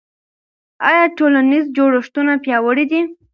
آیا ټولنیز جوړښتونه پیاوړي دي؟